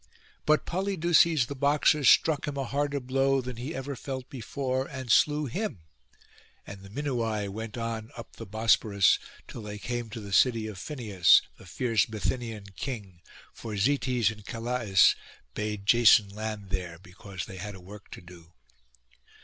But Polydeuces the boxer struck him a harder blow than he ever felt before, and slew him; and the Minuai went on up the Bosphorus, till they came to the city of Phineus, the fierce Bithynian king; for Zetes and Calais bade Jason land there, because they had a work to do.